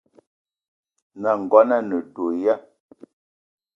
N’nagono a ne do ya ?